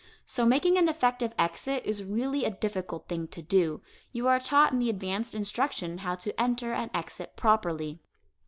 So making an effective exit is really a difficult thing to do. You are taught in the advanced instruction how to enter and exit properly.